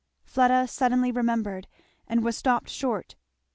Fleda suddenly remembered, and was stopped short.